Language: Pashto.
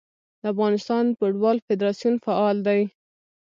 د افغانستان فوټبال فدراسیون فعال دی.